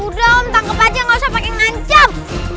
udah om tangkap aja gak usah pake ngancep